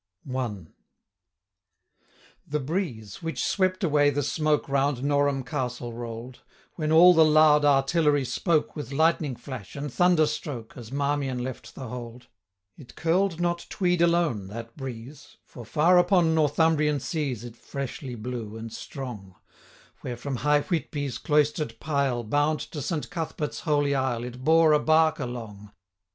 1. THE breeze, which swept away the smoke Round Norham Castle roll'd, When all the loud artillery spoke, With lightning flash, and thunder stroke, As Marmion left the Hold, 5 It curl'd not Tweed alone, that breeze, For, far upon Northumbrian seas, It freshly blew, and strong, Where, from high Whitby's cloister'd pile, Bound to Saint Cuthbert's Holy Isle, 10 It bore a bark along.